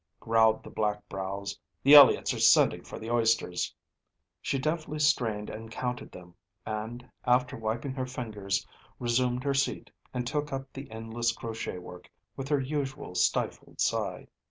growled the black brows; "the Eliots are sending for the oysters." She deftly strained and counted them, and, after wiping her fingers, resumed her seat, and took up the endless crochet work, with her usual stifled sigh.